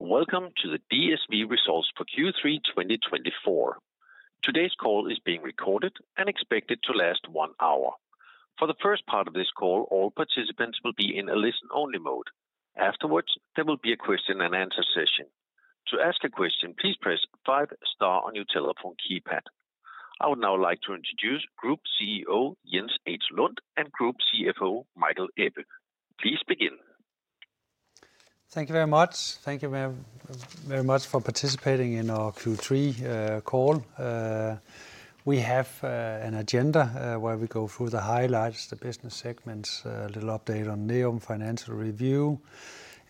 Welcome to the DSV results for Q3 2024. Today's call is being recorded and expected to last one hour. For the first part of this call, all participants will be in a listen-only mode. Afterwards, there will be a question-and-answer session. To ask a question, please press five star on your telephone keypad. I would now like to introduce Group CEO, Jens H. Lund, and Group CFO, Michael Ebbe. Please begin. Thank you very much. Thank you very, very much for participating in our Q3 call. We have an agenda where we go through the highlights, the business segments, a little update on NEOM financial review,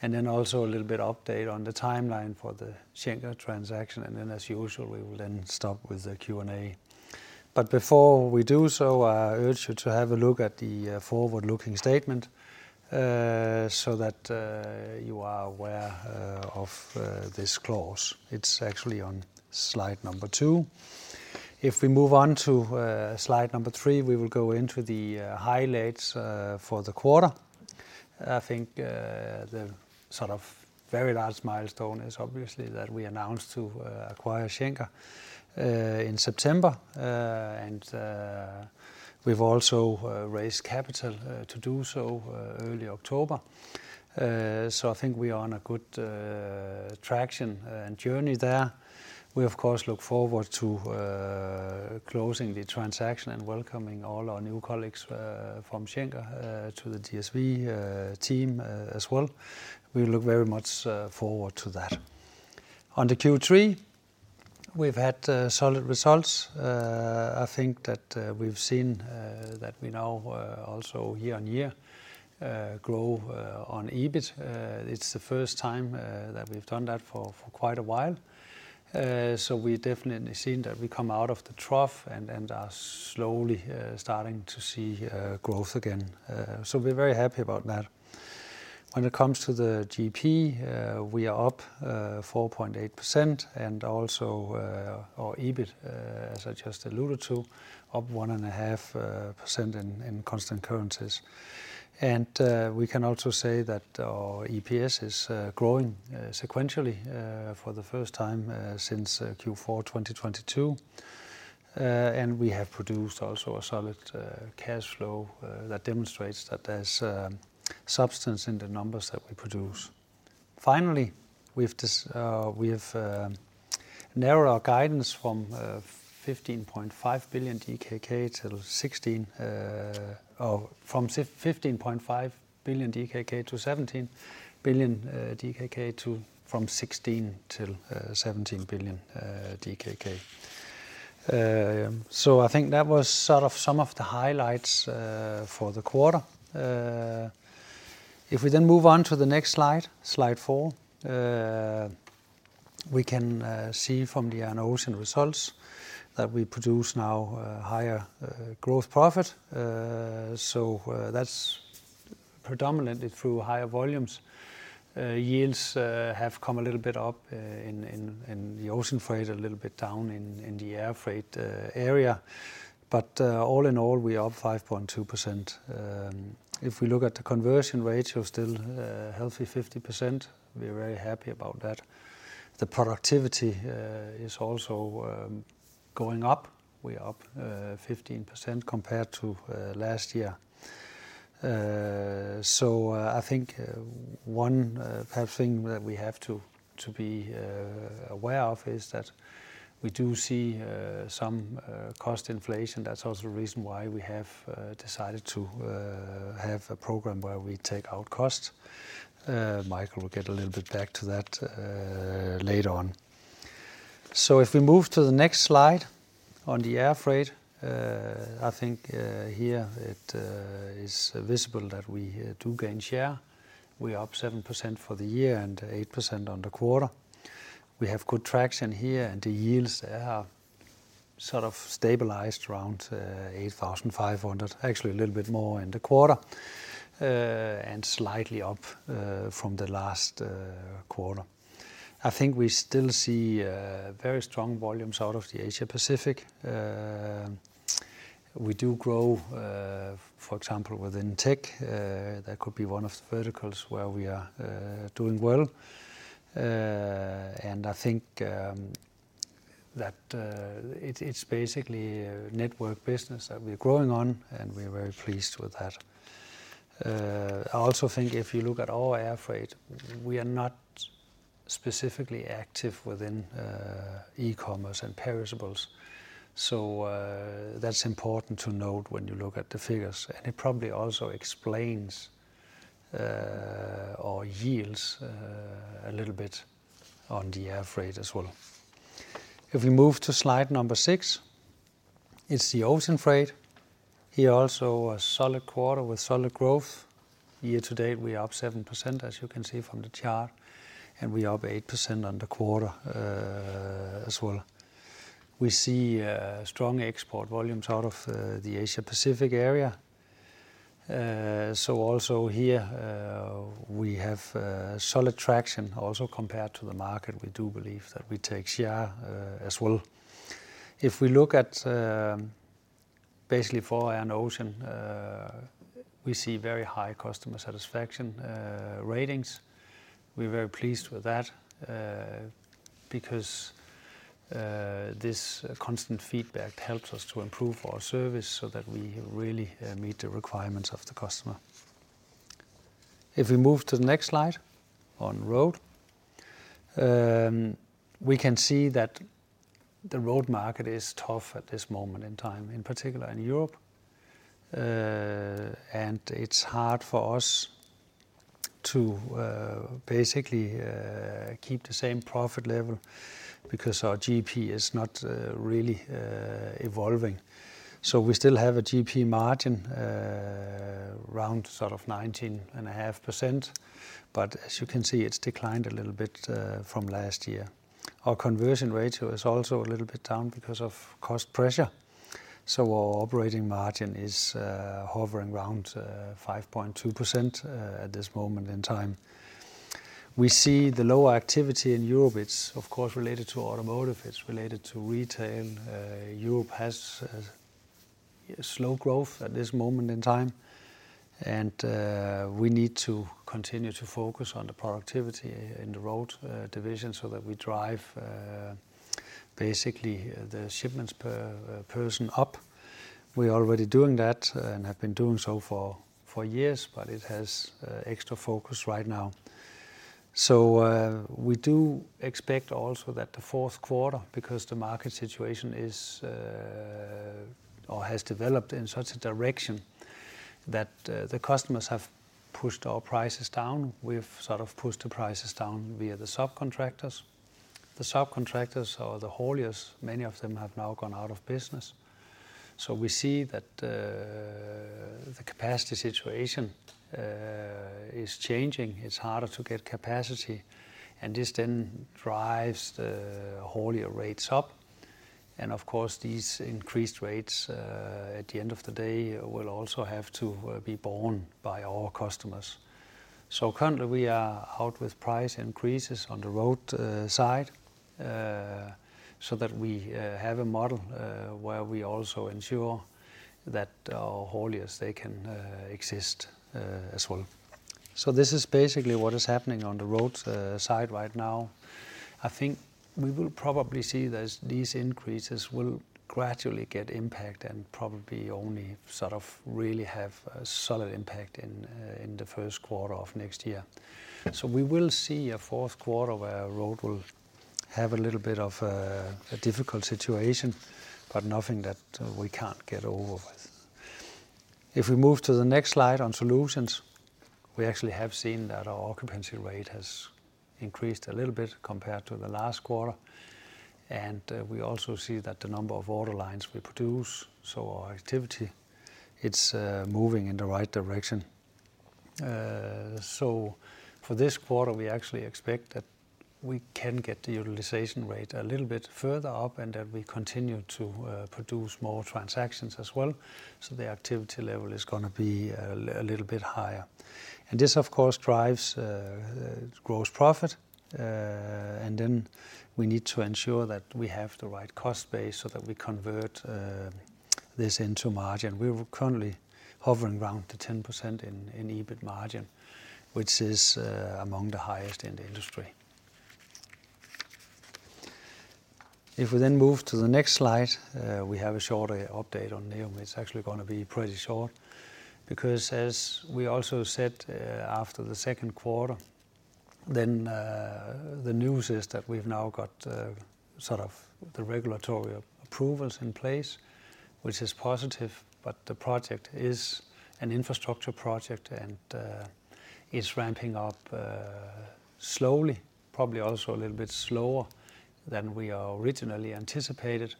and then also a little bit update on the timeline for the Schenker transaction. And then, as usual, we will then start with the Q&A. But before we do so, I urge you to have a look at the forward-looking statement so that you are aware of this clause. It's actually on slide number two. If we move on to slide number three, we will go into the highlights for the quarter. I think the sort of very large milestone is obviously that we announced to acquire Schenker in September. And we've also raised capital to do so early October. So I think we are on a good traction and journey there. We, of course, look forward to closing the transaction and welcoming all our new colleagues from Schenker to the DSV team as well. We look very much forward to that. On the Q3, we've had solid results. I think that we've seen that we now also year-on-year grow on EBIT. It's the first time that we've done that for quite a while. So we've definitely seen that we come out of the trough and are slowly starting to see growth again. So we're very happy about that. When it comes to the GP, we are up 4.8%, and also our EBIT, as I just alluded to, up 1.5% in constant currencies. We can also say that our EPS is growing sequentially for the first time since Q4 2022. We have produced also a solid cash flow that demonstrates that there's substance in the numbers that we produce. Finally, we've narrowed our guidance from 15.5 billion DKK DKK to 16... from 15.5 billion DKK to 17 billion DKK, to from 16 billion-17 billion DKK. So I think that was sort of some of the highlights for the quarter. If we then move on to the next slide, slide four, we can see from the Air and Ocean results that we produce now a higher gross profit, so that's predominantly through higher volumes. Yields have come a little bit up in the ocean freight, a little bit down in the air freight area. But all in all, we're up 5.2%. If we look at the conversion rates, we're still healthy 50%. We're very happy about that. The productivity is also going up. We're up 15% compared to last year, so I think one perhaps thing that we have to be aware of is that we do see some cost inflation. That's also the reason why we have decided to have a program where we take out costs. Michael will get a little bit back to that later on, so if we move to the next slide on the air freight, I think here it is visible that we do gain share. We're up 7% for the year and 8% on the quarter. We have good traction here, and the yields are sort of stabilized around 8,500, actually a little bit more in the quarter, and slightly up from the last quarter. I think we still see very strong volumes out of the Asia Pacific. We do grow, for example, within tech. That could be one of the verticals where we are doing well. And I think that it's basically a network business that we're growing on, and we're very pleased with that. I also think if you look at our air freight, we are not specifically active within e-commerce and perishables, so that's important to note when you look at the figures, and it probably also explains our yields a little bit on the air freight as well. If we move to slide number six, it's the ocean freight. Here, also a solid quarter with solid growth. Year to date, we are up 7%, as you can see from the chart, and we are up 8% on the quarter as well. We see strong export volumes out of the Asia Pacific area, so also here we have solid traction also compared to the market. We do believe that we take share, as well. If we look at, basically for Air and Ocean, we see very high customer satisfaction ratings. We're very pleased with that, because this constant feedback helps us to improve our service so that we really meet the requirements of the customer. If we move to the next slide, on Road, we can see that the Road market is tough at this moment in time, in particular in Europe, and it's hard for us to basically keep the same profit level because our GP is not really evolving, so we still have a GP margin around sort of 19.5%, but as you can see, it's declined a little bit from last year. Our conversion ratio is also a little bit down because of cost pressure, so our operating margin is hovering around 5.2% at this moment in time. We see the lower activity in Europe, it's of course related to automotive, it's related to retail. Europe has a slow growth at this moment in time, and we need to continue to focus on the productivity in the Road division, so that we drive basically the shipments per person up. We're already doing that, and have been doing so for years, but it has extra focus right now. So we do expect also that the fourth quarter, because the market situation is or has developed in such a direction, that the customers have pushed our prices down. We've sort of pushed the prices down via the subcontractors. The subcontractors or the hauliers, many of them have now gone out of business, so we see that the capacity situation is changing. It's harder to get capacity, and this then drives the haulier rates up, and of course, these increased rates, at the end of the day, will also have to be borne by our customers, so currently, we are out with price increases on the Road side, so that we have a model where we also ensure that our hauliers they can exist as well, so this is basically what is happening on the Road side right now. I think we will probably see that these increases will gradually get impact and probably only sort of really have a solid impact in the first quarter of next year. So we will see a fourth quarter where Road will have a little bit of a difficult situation, but nothing that we can't get over with. If we move to the next slide on Solutions, we actually have seen that our occupancy rate has increased a little bit compared to the last quarter, and we also see that the number of order lines we produce, so our activity, it's moving in the right direction. So for this quarter, we actually expect that we can get the utilization rate a little bit further up, and that we continue to produce more transactions as well, so the activity level is gonna be a little bit higher. And this, of course, drives gross profit, and then we need to ensure that we have the right cost base so that we convert this into margin. We're currently hovering around the 10% in EBIT margin, which is among the highest in the industry. If we then move to the next slide, we have a shorter update on NEOM. It's actually gonna be pretty short, because as we also said, after the second quarter, then, the news is that we've now got, sort of the regulatory approvals in place, which is positive, but the project is an infrastructure project and, is ramping up, slowly, probably also a little bit slower than we originally anticipated.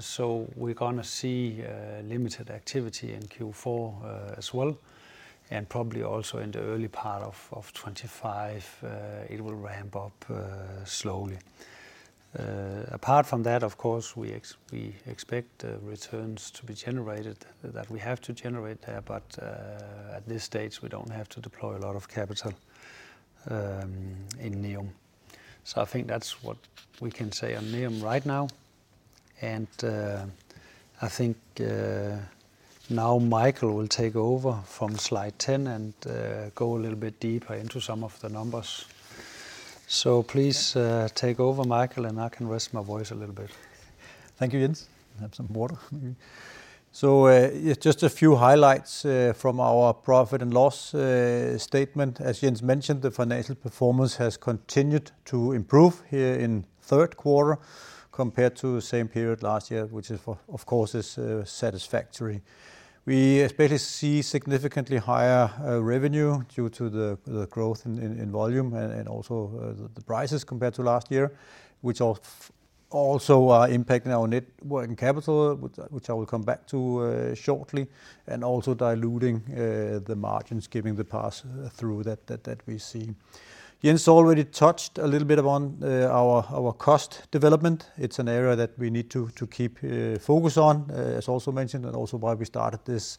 So we're gonna see, limited activity in Q4, as well, and probably also in the early part of 2025, it will ramp up, slowly. Apart from that, of course, we expect returns to be generated that we have to generate there, but, at this stage, we don't have to deploy a lot of capital, in NEOM. So I think that's what we can say on NEOM right now, and I think now Michael will take over from slide ten and go a little bit deeper into some of the numbers. So please take over, Michael, and I can rest my voice a little bit. Thank you, Jens. Have some water? So, just a few highlights from our profit and loss statement. As Jens mentioned, the financial performance has continued to improve here in third quarter compared to the same period last year, which is, of course, satisfactory. We especially see significantly higher revenue due to the growth in volume and also the prices compared to last year, which also are impacting our net working capital, which I will come back to shortly, and also diluting the margins, giving the pass-through that we see. Jens already touched a little bit upon our cost development. It's an area that we need to keep focus on, as also mentioned, and also why we started this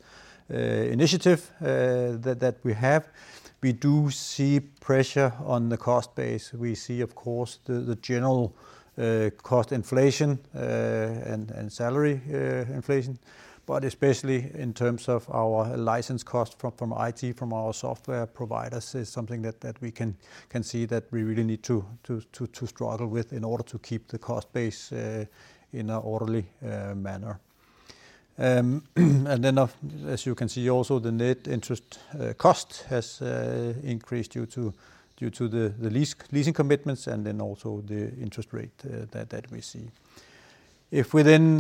initiative that we have. We do see pressure on the cost base. We see, of course, the general cost inflation and salary inflation, but especially in terms of our license costs from IT, from our software providers, is something that we can see that we really need to struggle with in order to keep the cost base in an orderly manner. And then of, as you can see also, the net interest cost has increased due to the leasing commitments and then also the interest rate that we see. If we then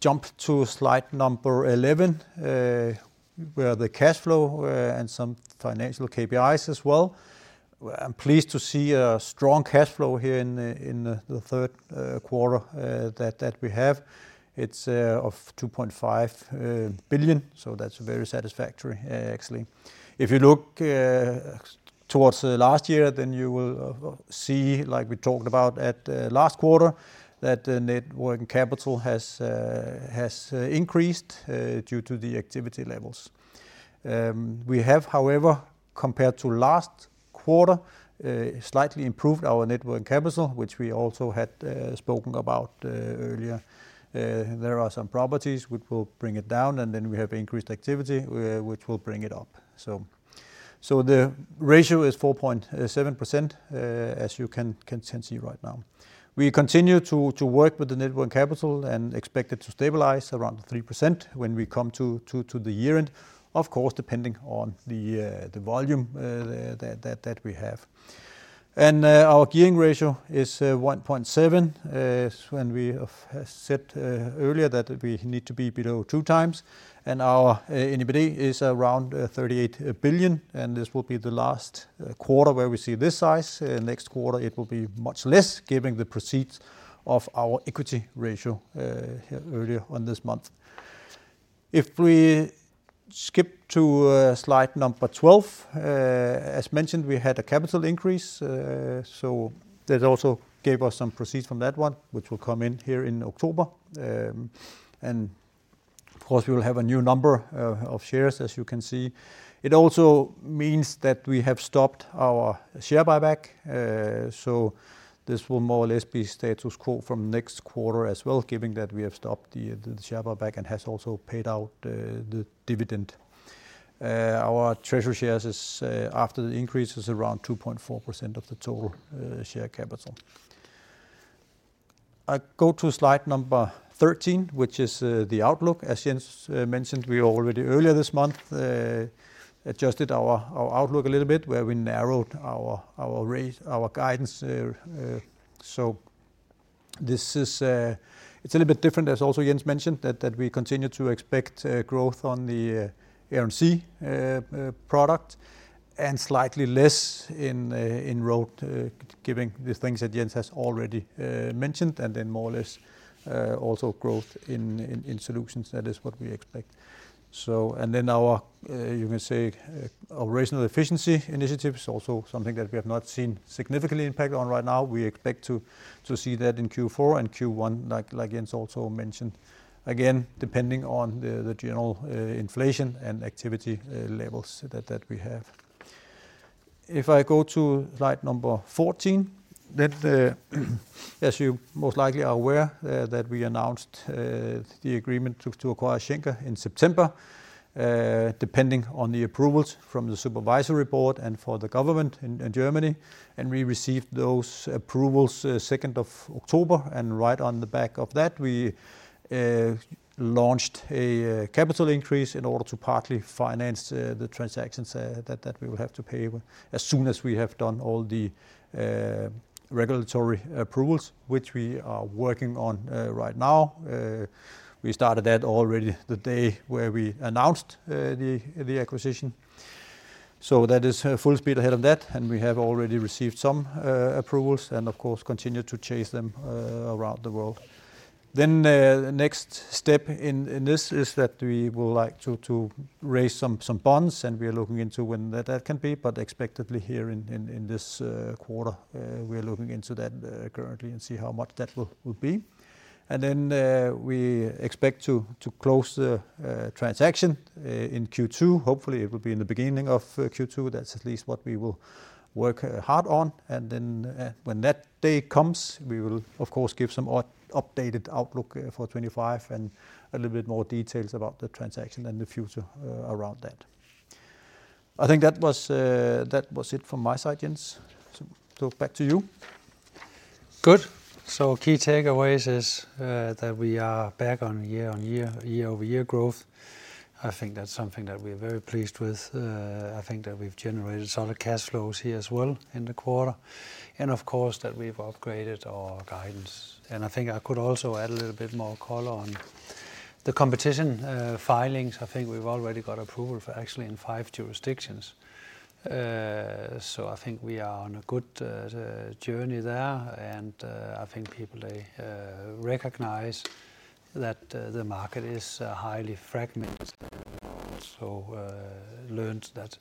jump to slide number 11, where the cash flow and some financial KPIs as well. I'm pleased to see a strong cash flow here in the third quarter that we have. It's of 2.5 billion, so that's very satisfactory, actually. If you look towards the last year, then you will see, like we talked about at last quarter, that the net working capital has increased due to the activity levels. We have, however, compared to last quarter, slightly improved our net working capital, which we also had spoken about earlier. There are some properties which will bring it down, and then we have increased activity which will bring it up, so. The ratio is 4.7%, as you can see right now. We continue to work with the net working capital and expect it to stabilize around 3% when we come to the year-end, of course, depending on the volume that we have. Our gearing ratio is 1.7x, when we have said earlier that we need to be below 2x, and our EBITDA is around 38 billion, and this will be the last quarter where we see this size. Next quarter it will be much less, given the proceeds of our equity raise earlier this month. If we skip to slide number 12, as mentioned, we had a capital increase, so that also gave us some proceeds from that one, which will come in here in October, and of course, we will have a new number of shares, as you can see. It also means that we have stopped our share buyback, so this will more or less be status quo from next quarter as well, given that we have stopped the share buyback and has also paid out the dividend. Our treasury shares is after the increase is around 2.4% of the total share capital. I go to slide number 13, which is the outlook. As Jens mentioned, we already earlier this month adjusted our outlook a little bit, where we narrowed our guidance, so this is... It's a little bit different, as also Jens mentioned, that we continue to expect growth on the Air & Sea product, and slightly less in Road, given the things that Jens has already mentioned, and then more or less also growth in Solutions. That is what we expect. So, and then our, you can say, operational efficiency initiatives, also something that we have not seen significantly impact on right now. We expect to see that in Q4 and Q1, like Jens also mentioned, again, depending on the general inflation and activity levels that we have. If I go to slide number 14, then, as you most likely are aware, that we announced the agreement to acquire Schenker in September depending on the approvals from the supervisory board and for the government in Germany, and we received those approvals 2nd of October, and right on the back of that, we launched a capital increase in order to partly finance the transactions that we will have to pay as soon as we have done all the regulatory approvals, which we are working on right now. We started that already the day where we announced the acquisition, so that is full speed ahead of that, and we have already received some approvals, and of course continue to chase them around the world. Then, the next step in this is that we would like to raise some bonds, and we are looking into when that can be, but expectedly here in this quarter. We are looking into that currently and see how much that will be. And then, we expect to close the transaction in Q2. Hopefully, it will be in the beginning of Q2. That's at least what we will work hard on, and then, when that day comes, we will, of course, give some updated outlook for 2025 and a little bit more details about the transaction and the future around that. I think that was it from my side, Jens. So back to you. Good, so key takeaways is that we are back on year, on year, year-over-year growth. I think that's something that we're very pleased with. I think that we've generated solid cash flows here as well in the quarter, and of course, that we've upgraded our guidance, and I think I could also add a little bit more color on the competition filings. I think we've already got approval for actually in five jurisdictions, so I think we are on a good journey there, and I think people they recognize that the market is highly fragmented, so learned that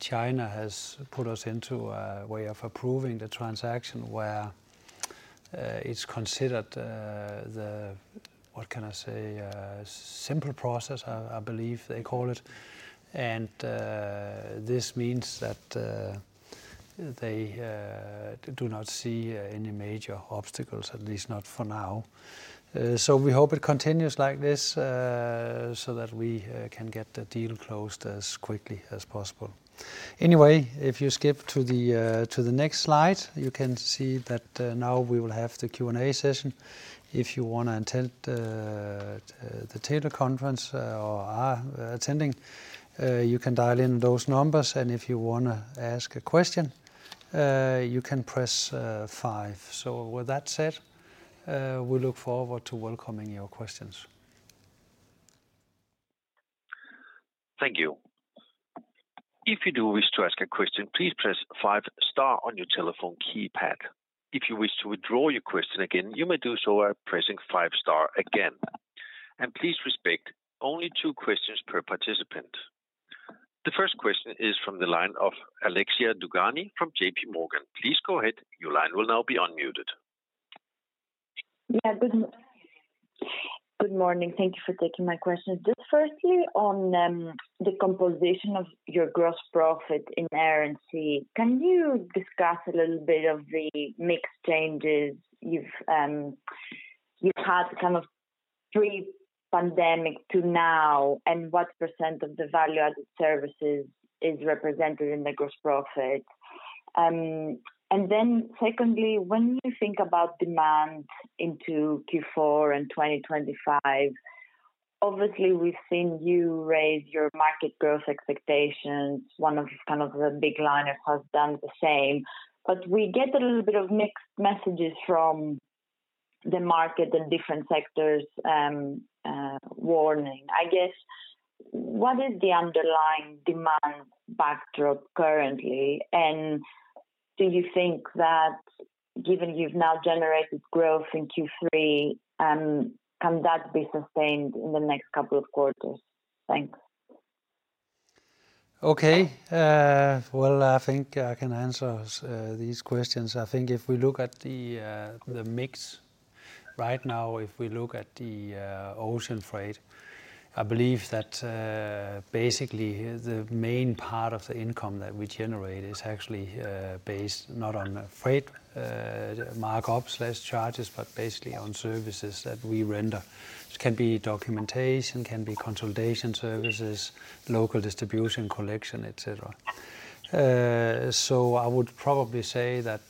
China has put us into a way of approving the transaction where it's considered the what can I say? Simple process, I believe they call it. And, this means that, they do not see any major obstacles, at least not for now. So we hope it continues like this, so that we can get the deal closed as quickly as possible. Anyway, if you skip to the next slide, you can see that, now we will have the Q&A session. If you wanna attend the teleconference, or are attending, you can dial in those numbers, and if you wanna ask a question, you can press five. So with that said, we look forward to welcoming your questions. Thank you. If you do wish to ask a question, please press five star on your telephone keypad. If you wish to withdraw your question again, you may do so by pressing five star again, and please respect only two questions per participant. The first question is from the line of Alexia Dogani from JPMorgan. Please go ahead. Your line will now be unmuted. Yeah. Good morning. Thank you for taking my questions. Just firstly, on the composition of your gross profit in Air & Sea, can you discuss a little bit of the mix changes you've had kind of pre-pandemic to now, and what % of the value-added services is represented in the gross profit? And then secondly, when you think about demand into Q4 and 2025, obviously, we've seen you raise your market growth expectations. One of kind of the big liner has done the same, but we get a little bit of mixed messages from the market and different sectors, worrying. I guess, what is the underlying demand backdrop currently? And do you think that given you've now generated growth in Q3, can that be sustained in the next couple of quarters? Thanks. Okay. I think I can answer these questions. I think if we look at the mix right now, ocean freight, I believe that basically the main part of the income that we generate is actually based not on the freight markups less charges, but basically on services that we render. It can be documentation, can be consolidation services, local distribution, collection, et cetera. So I would probably say that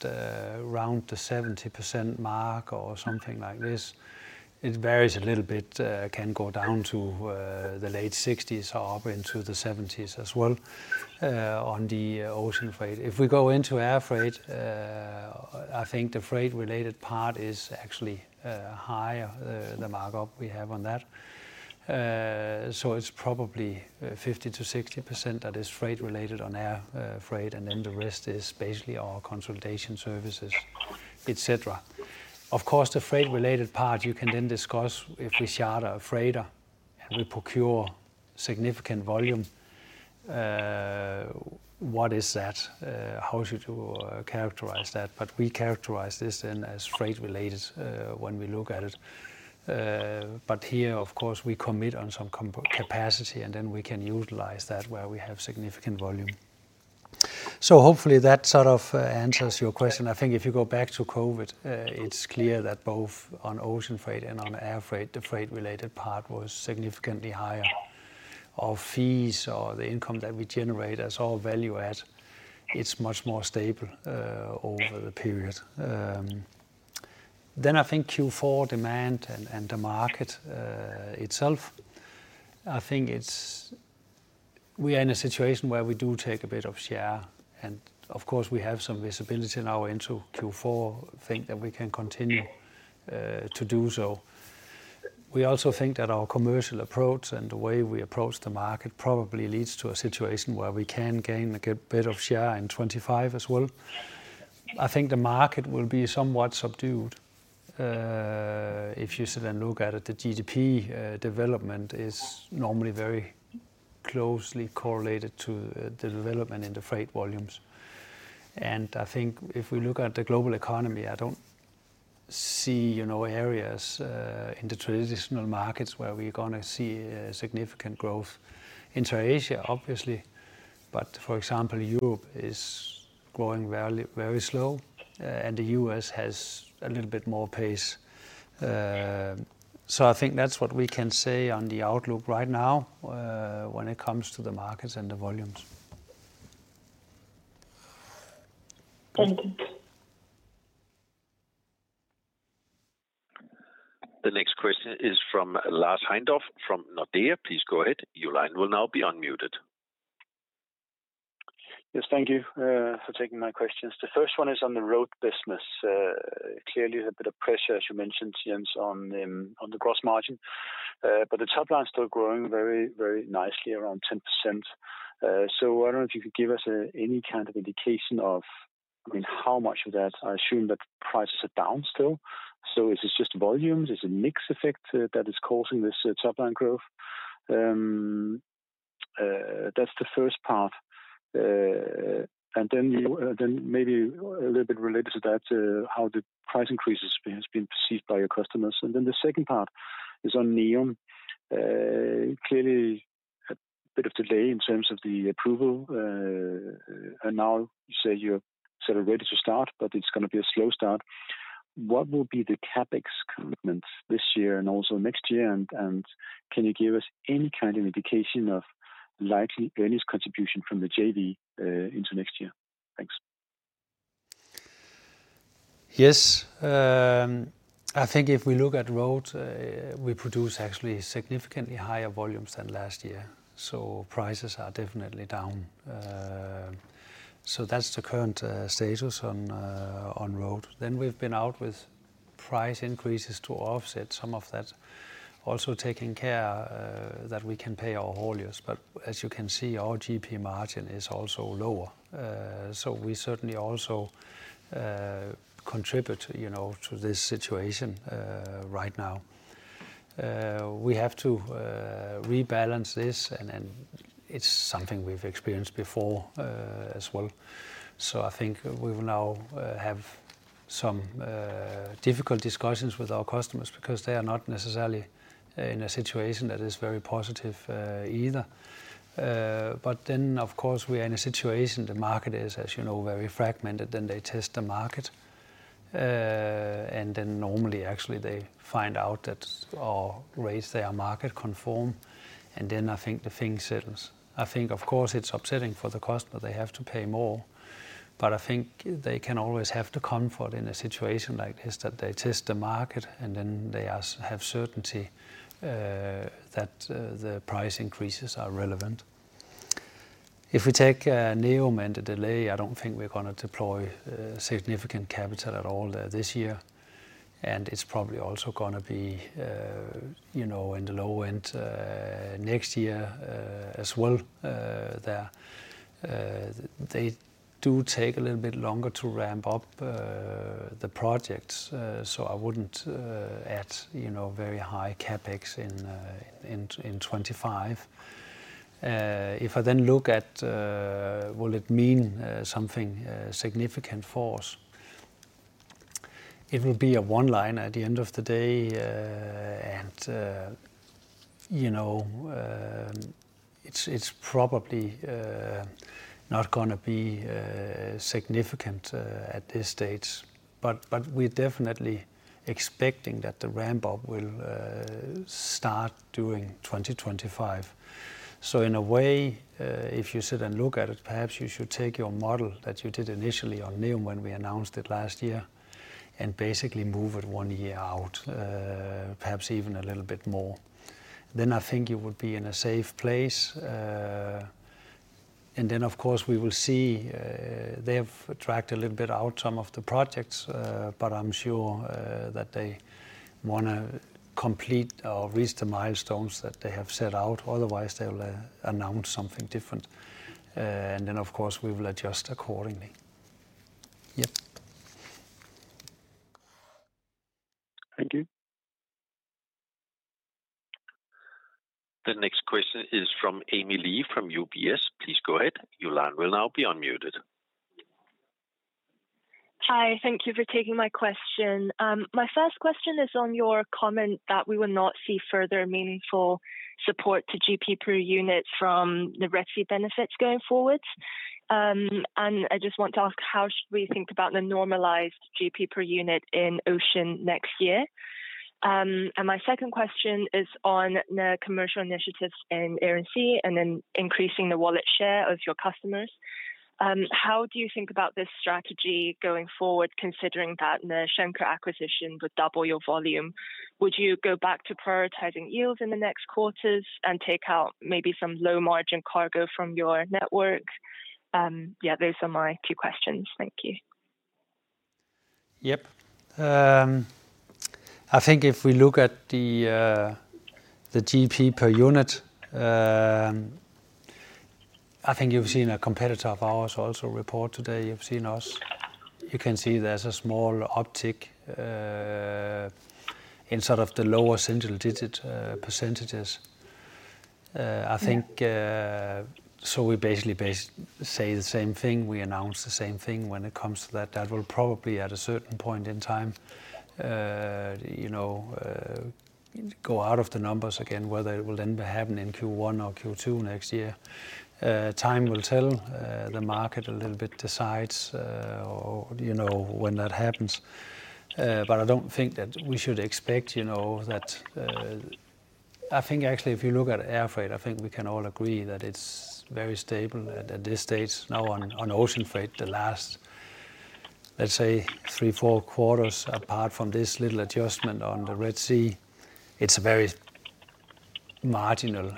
around the 70% mark or something like this, it varies a little bit, can go down to the late 60s or up into the 70s as well on the ocean freight. If we go into air freight, I think the freight-related part is actually higher, the markup we have on that. So it's probably 50%-60% that is freight related on air, freight, and then the rest is basically our consolidation services, et cetera. Of course, the freight-related part, you can then discuss if we charter a freighter and we procure significant volume, what is that? How should you characterize that? But we characterize this then as freight related, when we look at it. But here, of course, we commit on some capacity, and then we can utilize that where we have significant volume. So hopefully that sort of answers your question. I think if you go back to COVID, it's clear that both on ocean freight and on air freight, the freight-related part was significantly higher. Our fees or the income that we generate as our value add, it's much more stable over the period. Then I think Q4 demand and the market itself. I think it's... We are in a situation where we do take a bit of share, and of course, we have some visibility now into Q4. I think that we can continue to do so. We also think that our commercial approach and the way we approach the market probably leads to a situation where we can gain a good bit of share in 2025 as well. I think the market will be somewhat subdued. If you sort of look at it, the GDP development is normally very closely correlated to the development in the freight volumes. And I think if we look at the global economy, I don't see, you know, areas in the traditional markets where we're gonna see a significant growth. Inter-Asia, obviously, but for example, Europe is growing very, very slow, and the U.S. has a little bit more pace. So I think that's what we can say on the outlook right now, when it comes to the markets and the volumes. Thank you. The next question is from Lars Heindorff from Nordea. Please go ahead. Your line will now be unmuted. Yes, thank you for taking my questions. The first one is on the Road business. Clearly a bit of pressure, as you mentioned, Jens, on the gross margin, but the top line is still growing very, very nicely, around 10%. So I don't know if you could give us any kind of indication of, I mean, how much of that... I assume that prices are down still. So is this just volumes? Is it mix effect that is causing this top line growth? That's the first part. And then you, then maybe a little bit related to that, how the price increases has been perceived by your customers. And then the second part is on NEOM. Clearly, a bit of delay in terms of the approval, and now you say you're sort of ready to start, but it's gonna be a slow start. What will be the CapEx commitments this year and also next year? And can you give us any kind of indication of likely earnings contribution from the JV into next year? Thanks. Yes. I think if we look at Road, we produce actually significantly higher volumes than last year, so prices are definitely down, so that's the current status on Road. Then we've been out with price increases to offset some of that, also taking care that we can pay our hauliers. But as you can see, our GP margin is also lower, so we certainly also contribute, you know, to this situation right now. We have to rebalance this, and it's something we've experienced before as well. So I think we will now have some difficult discussions with our customers, because they are not necessarily in a situation that is very positive either. But then, of course, we are in a situation, the market is, as you know, very fragmented, then they test the market. And then normally actually they find out that or raise their market conform, and then I think the thing settles. I think, of course, it's upsetting for the customer, they have to pay more, but I think they can always have the comfort in a situation like this, that they test the market and then they have certainty that the price increases are relevant. If we take NEOM and the delay, I don't think we're gonna deploy significant capital at all there this year, and it's probably also gonna be, you know, in the low end next year, as well, there. They do take a little bit longer to ramp up the projects, so I wouldn't add, you know, very high CapEx in 2025. If I then look at, will it mean something significant for us? It will be a one line at the end of the day, and, you know, it's probably not gonna be significant at this stage. But we're definitely expecting that the ramp up will start during 2025. So in a way, if you sit and look at it, perhaps you should take your model that you did initially on NEOM when we announced it last year, and basically move it one year out, perhaps even a little bit more. Then I think you would be in a safe place. And then, of course, we will see. They have dragged a little bit out some of the projects, but I'm sure that they wanna complete or reach the milestones that they have set out, otherwise they'll announce something different. And then, of course, we will adjust accordingly. Yep. Thank you. The next question is from Amy Li, from UBS. Please go ahead. Your line will now be unmuted. Hi, thank you for taking my question. My first question is on your comment that we will not see further meaningful support to GP per unit from the Red Sea benefits going forward. I just want to ask, how should we think about the normalized GP per unit in ocean next year? My second question is on the commercial initiatives in Air & Sea, and then increasing the wallet share of your customers. How do you think about this strategy going forward, considering that the Schenker acquisition would double your volume? Would you go back to prioritizing yields in the next quarters and take out maybe some low-margin cargo from your network? Yeah, those are my two questions. Thank you. Yep. I think if we look at the GP per unit, I think you've seen a competitor of ours also report today. You've seen us. Yeah. You can see there's a small uptick in sort of the lower single digit percentages. I think... So we basically say the same thing, we announce the same thing when it comes to that. That will probably, at a certain point in time, you know, go out of the numbers again, whether it will then be happening in Q1 or Q2 next year. Time will tell, the market a little bit decides, or, you know, when that happens. But I don't think that we should expect, you know, that. I think actually, if you look at air freight, I think we can all agree that it's very stable at this stage. Now, on ocean freight, the last, let's say three, four quarters, apart from this little adjustment on the Red Sea, it's a very marginal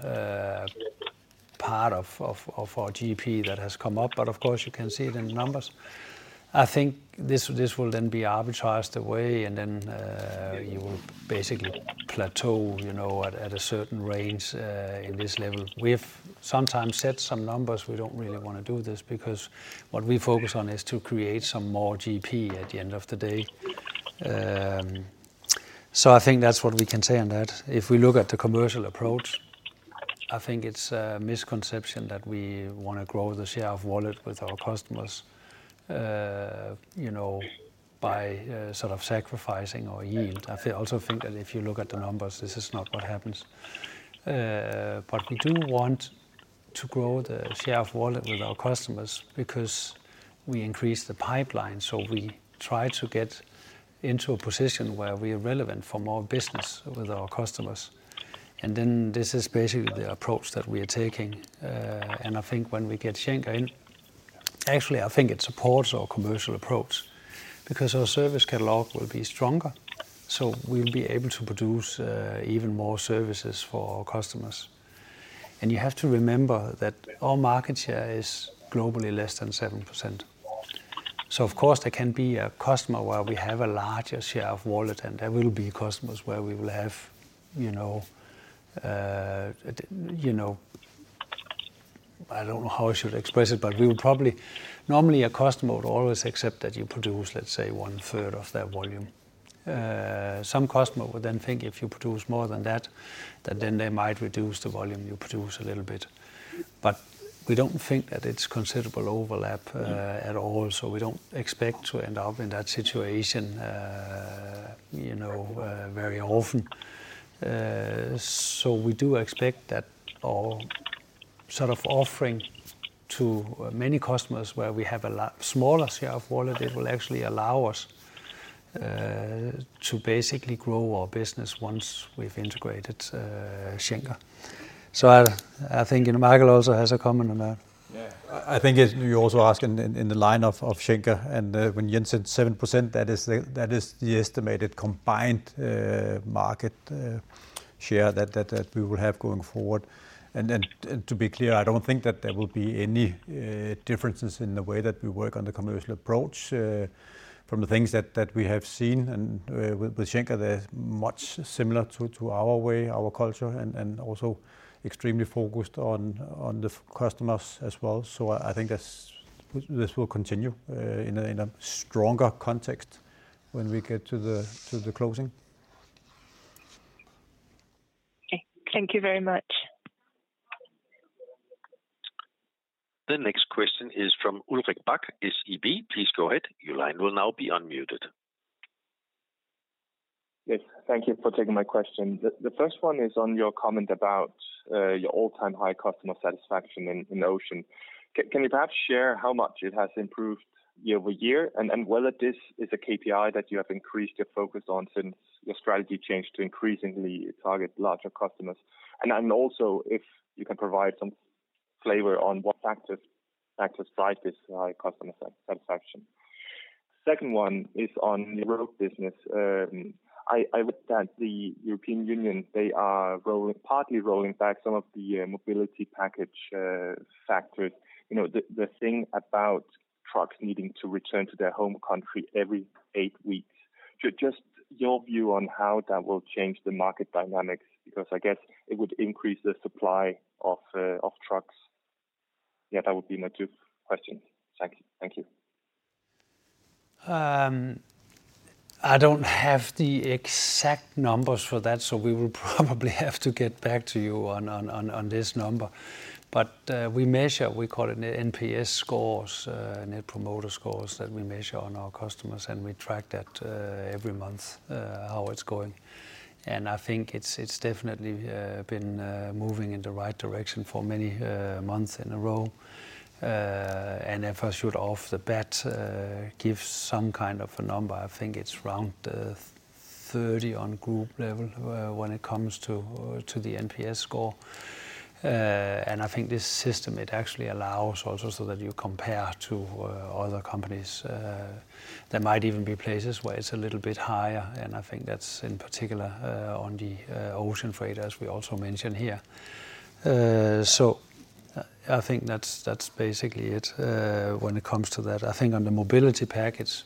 part of our GP that has come up. But of course, you can see it in the numbers. I think this will then be arbitraged away, and then you will basically plateau, you know, at a certain range in this level. We have sometimes set some numbers. We don't really wanna do this, because what we focus on is to create some more GP at the end of the day. So I think that's what we can say on that. If we look at the commercial approach, I think it's a misconception that we wanna grow the share of wallet with our customers. You know, by sort of sacrificing our yield. I also think that if you look at the numbers, this is not what happens. But we do want to grow the share of wallet with our customers because we increase the pipeline, so we try to get into a position where we are relevant for more business with our customers. And then this is basically the approach that we are taking. And I think when we get Schenker in, actually, I think it supports our commercial approach because our service catalog will be stronger, so we'll be able to produce even more services for our customers. And you have to remember that our market share is globally less than 7%. So of course, there can be a customer where we have a larger share of wallet, and there will be customers where we will have, you know, you know, I don't know how I should express it, but we would probably. Normally, a customer would always accept that you produce, let's say, one third of their volume. Some customer would then think if you produce more than that, then they might reduce the volume you produce a little bit. But we don't think that it's considerable overlap at all, so we don't expect to end up in that situation, you know, very often, so we do expect that our sort of offering to many customers where we have a lot... smaller share of wallet, it will actually allow us to basically grow our business once we've integrated Schenker. So I think, you know, Michael also has a comment on that. Yeah. I think you're also asking in the line of Schenker, and when Jens said 7%, that is the estimated combined market share that we will have going forward. And then to be clear, I don't think that there will be any differences in the way that we work on the commercial approach from the things that we have seen. And with Schenker, they're much similar to our way, our culture, and also extremely focused on the customers as well. So I think this will continue in a stronger context when we get to the closing. Okay. Thank you very much. The next question is from Ulrik Bak, SEB. Please go ahead. Your line will now be unmuted. Yes, thank you for taking my question. The first one is on your comment about your all-time high customer satisfaction in Ocean. Can you perhaps share how much it has improved year-over-year? And whether this is a KPI that you have increased your focus on since your strategy changed to increasingly target larger customers. And then also, if you can provide some flavor on what factors drive this customer satisfaction. Second one is on the Road business. I read that the European Union they are partly rolling back some of the Mobility Package factors. You know, the thing about trucks needing to return to their home country every eight weeks. Just your view on how that will change the market dynamics, because I guess it would increase the supply of trucks? Yeah, that would be my two questions. Thank you. Thank you. I don't have the exact numbers for that, so we will probably have to get back to you on this number. But we measure, we call it NPS scores, Net Promoter Scores, that we measure on our customers, and we track that every month, how it's going. And I think it's definitely been moving in the right direction for many months in a row. And if I right off the bat give some kind of a number, I think it's around 30 on group level when it comes to the NPS score. And I think this system, it actually allows also so that you compare to other companies. There might even be places where it's a little bit higher, and I think that's in particular, on the, ocean freight, as we also mentioned here. So I think that's, that's basically it, when it comes to that. I think on the Mobility Package,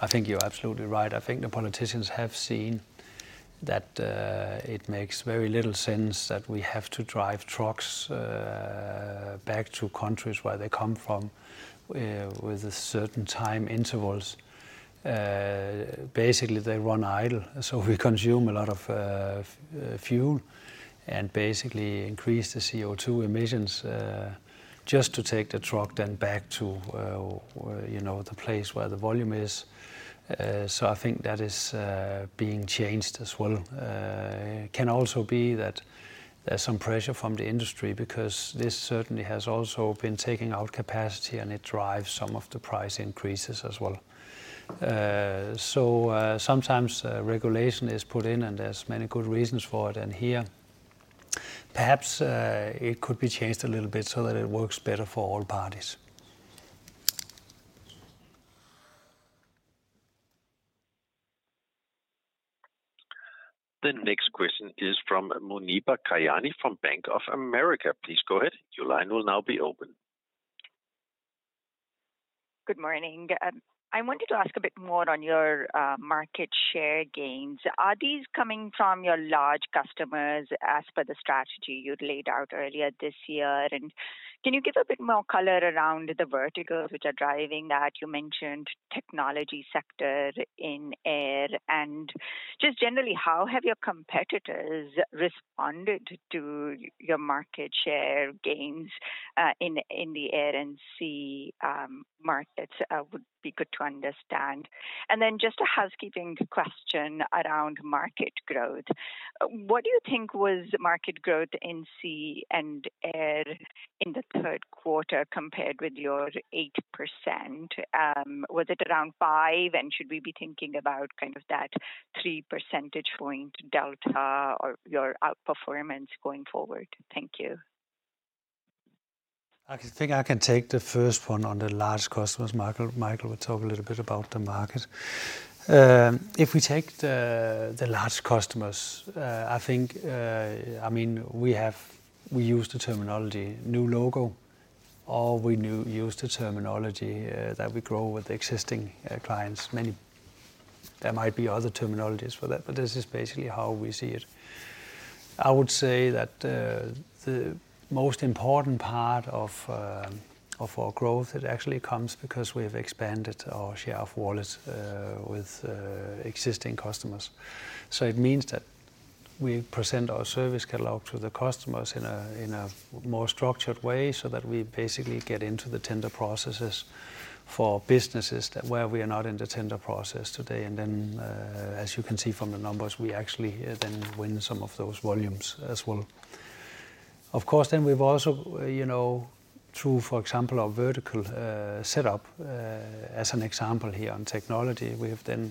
I think you're absolutely right. I think the politicians have seen that, it makes very little sense that we have to drive trucks, back to countries where they come from, with certain time intervals. Basically, they run idle, so we consume a lot of, fuel, and basically increase the CO2 emissions, just to take the truck then back to, you know, the place where the volume is. So I think that is, being changed as well. It can also be that there's some pressure from the industry, because this certainly has also been taking out capacity, and it drives some of the price increases as well. So, sometimes, regulation is put in, and there's many good reasons for it, and here, perhaps, it could be changed a little bit so that it works better for all parties. The next question is from Muneeba Kayani from Bank of America. Please go ahead. Your line will now be open. Good morning. I wanted to ask a bit more on your market share gains. Are these coming from your large customers as per the strategy you'd laid out earlier this year? And can you give a bit more color around the verticals which are driving that? You mentioned technology sector in air, and just generally, how have your competitors responded to your market share gains in the Air & Sea markets would be good to understand. And then just a housekeeping question around market growth. What do you think was market growth in sea and air in the third quarter compared with your 8%? Was it around 5%, and should we be thinking about kind of that three percentage point delta or your outperformance going forward? Thank you. I think I can take the first one on the large customers. Michael will talk a little bit about the market. If we take the large customers, I think, I mean, we use the terminology, new logo, or we now use the terminology that we grow with existing clients. There might be other terminologies for that, but this is basically how we see it. I would say that the most important part of our growth, it actually comes because we have expanded our share of wallets with existing customers. So it means that we present our service catalog to the customers in a more structured way, so that we basically get into the tender processes for businesses where we are not in the tender process today. And then, as you can see from the numbers, we actually then win some of those volumes as well. Of course, then we've also, you know, through, for example, our vertical setup, as an example here on technology, we have then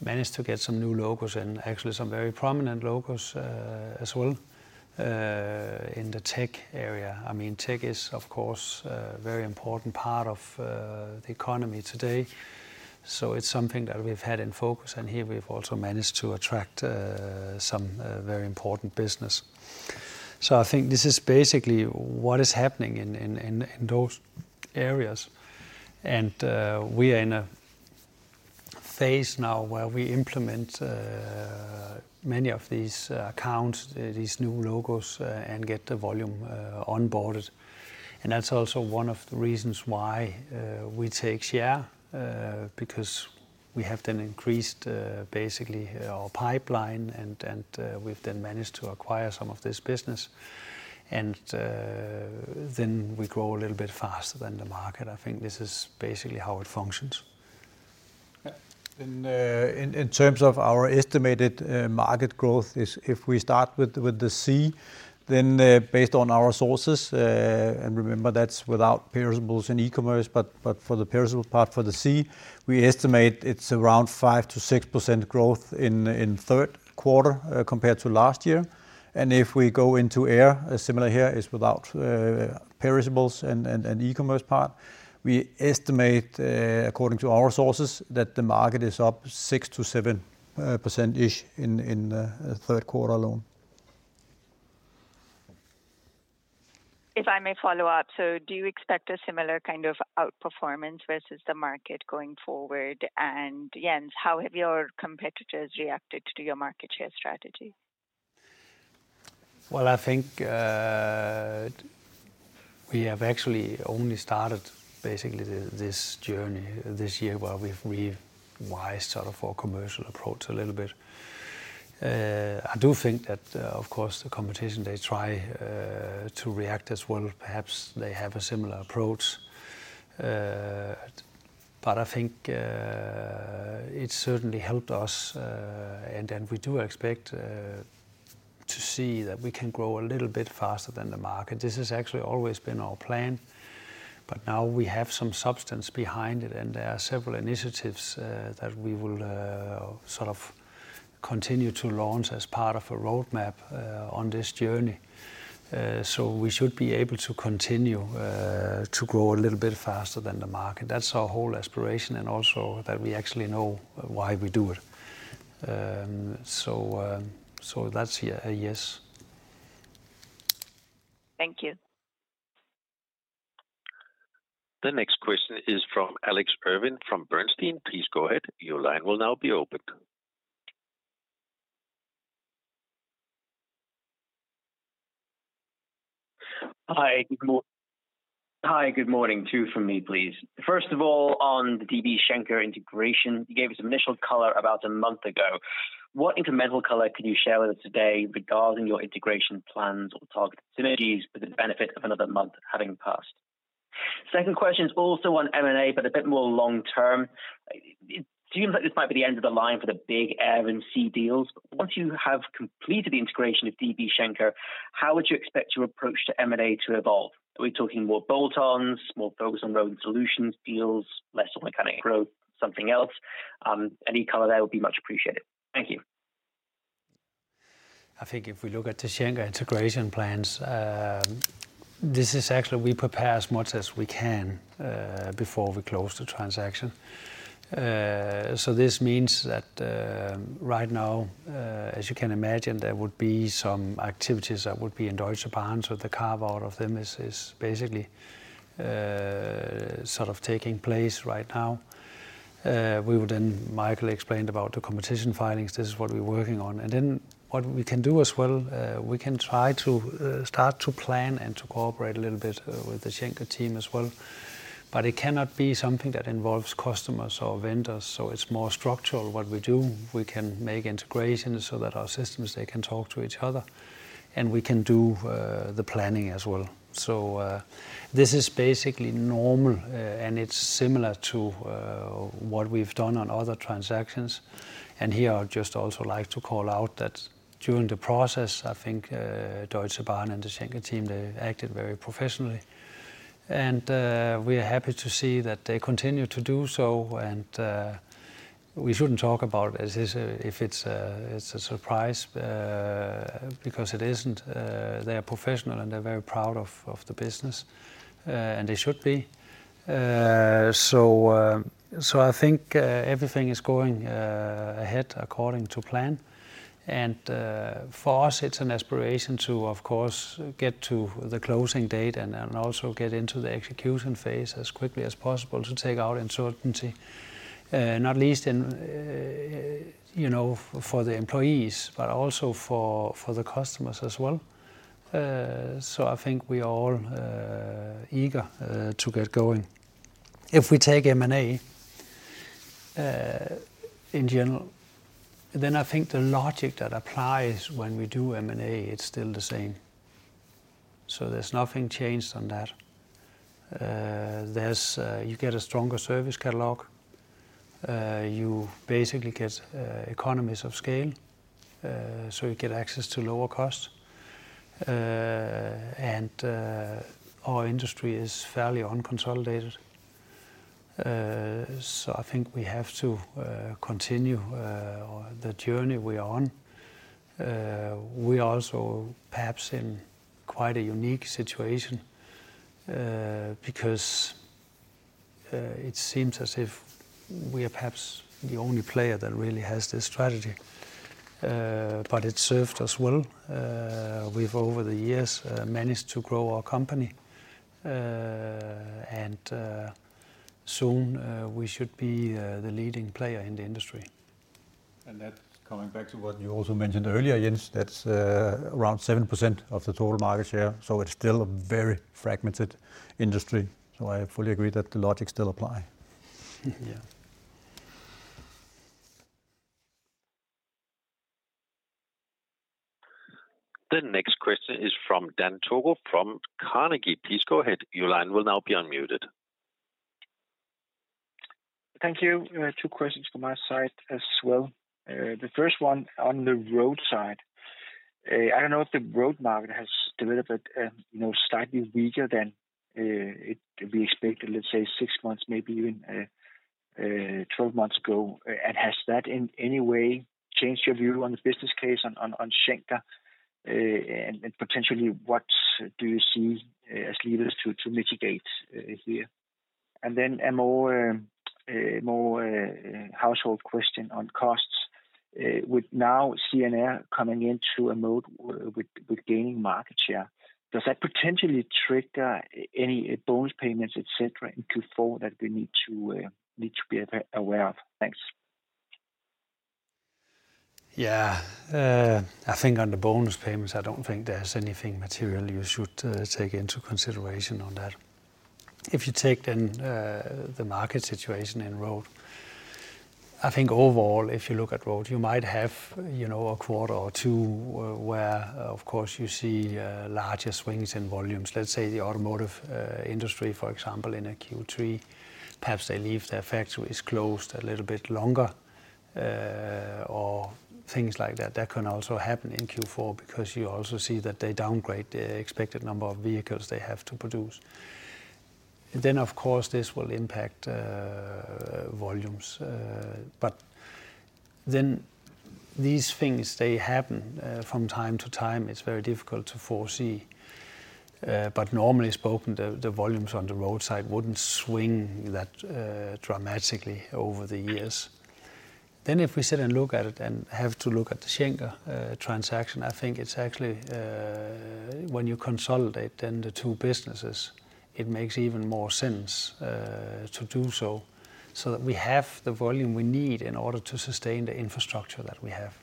managed to get some new logos and actually some very prominent logos, as well, in the tech area. I mean, tech is, of course, a very important part of the economy today, so it's something that we've had in focus, and here we've also managed to attract some very important business. So I think this is basically what is happening in those areas, and we are in a phase now where we implement many of these accounts, these new logos, and get the volume onboarded. And that's also one of the reasons why we take share, because we have then increased basically our pipeline, and we've then managed to acquire some of this business. And then we grow a little bit faster than the market. I think this is basically how it functions. Yeah. And in terms of our estimated market growth, if we start with the sea, then based on our sources, and remember that's without perishables and e-commerce, but for the perishables part for the sea, we estimate it's around 5-6% growth in third quarter compared to last year. And if we go into air, similar here is without perishables and e-commerce part. We estimate according to our sources that the market is up 6%-7%-ish in the third quarter alone. If I may follow up, so do you expect a similar kind of outperformance versus the market going forward? And Jens, how have your competitors reacted to your market share strategy? I think we have actually only started basically this journey this year, where we've revised sort of our commercial approach a little bit. I do think that of course the competition they try to react as well. Perhaps they have a similar approach. But I think it certainly helped us and then we do expect to see that we can grow a little bit faster than the market. This has actually always been our plan, but now we have some substance behind it, and there are several initiatives that we will sort of continue to launch as part of a Roadmap on this journey, so we should be able to continue to grow a little bit faster than the market. That's our whole aspiration, and also that we actually know why we do it. That's, yeah, a yes. Thank you. The next question is from Alex Irving, from Bernstein. Please go ahead. Your line will now be opened. Hi, good morning. Two from me, please. First of all, on the DB Schenker integration, you gave us initial color about a month ago. What incremental color can you share with us today regarding your integration plans or target synergies for the benefit of another month having passed? Second question is also on M&A, but a bit more long term. It seems like this might be the end of the line for the big Air & Sea deals. Once you have completed the integration of DB Schenker, how would you expect your approach to M&A to evolve? Are we talking more bolt-ons, more focused on Road and Solutions deals, less on organic growth, something else? Any color there would be much appreciated. Thank you. I think if we look at the Schenker integration plans, this is actually we prepare as much as we can before we close the transaction. So this means that, right now, as you can imagine, there would be some activities that would be in Deutsche Bahn. So the carve-out of them is basically sort of taking place right now. We would then. Michael explained about the competition filings. This is what we're working on. And then what we can do as well, we can try to start to plan and to cooperate a little bit with the Schenker team as well, but it cannot be something that involves customers or vendors, so it's more structural what we do. We can make integrations so that our systems, they can talk to each other, and we can do the planning as well, so this is basically normal, and it's similar to what we've done on other transactions, and here I'd just also like to call out that during the process, I think, Deutsche Bahn and the Schenker team, they acted very professionally, and we are happy to see that they continue to do so, and we shouldn't talk about it as if it's a surprise, because it isn't. They are professional, and they're very proud of the business, and they should be, so I think everything is going ahead according to plan. And, for us, it's an aspiration to, of course, get to the closing date and then also get into the execution phase as quickly as possible to take out uncertainty, not least in, you know, for the employees, but also for, for the customers as well. So I think we're all eager to get going. If we take M&A, in general, then I think the logic that applies when we do M&A, it's still the same. So there's nothing changed on that. You get a stronger service catalog. You basically get economies of scale, so you get access to lower cost. And, our industry is fairly unconsolidated, so I think we have to continue on the journey we are on. We are also perhaps in quite a unique situation, because it seems as if we are perhaps the only player that really has this strategy. But it served us well. We've over the years managed to grow our company, and soon we should be the leading player in the industry. And that, coming back to what you also mentioned earlier, Jens, that's around 7% of the total market share, so it's still a very fragmented industry. So I fully agree that the logic still apply. Yeah. The next question is from Dan Togo from Carnegie. Please go ahead. Your line will now be unmuted. Thank you. Two questions from my side as well. The first one on the Road side. I don't know if the Road market has developed, you know, slightly weaker than we expected, let's say six months, maybe even twelve months ago. And has that in any way changed your view on the business case on Schenker, and potentially, what do you see as levers to mitigate here? And then a more housekeeping question on costs. With now CNR coming into a mode with gaining market share, does that potentially trigger any bonus payments, et cetera, in Q4 that we need to be aware of? Thanks. Yeah. I think on the bonus payments, I don't think there's anything material you should take into consideration on that. If you take then the market situation in Road, I think overall, if you look at Road, you might have, you know, a quarter or two where, of course, you see larger swings in volumes. Let's say the automotive industry, for example, in a Q3, perhaps they leave, their factory is closed a little bit longer or things like that. That can also happen in Q4, because you also see that they downgrade the expected number of vehicles they have to produce. Then, of course, this will impact volumes, but then these things they happen from time to time. It's very difficult to foresee. But normally spoken, the volumes on the Road side wouldn't swing that dramatically over the years. Then if we sit and look at it and have to look at the Schenker transaction, I think it's actually when you consolidate then the two businesses, it makes even more sense to do so, so that we have the volume we need in order to sustain the infrastructure that we have.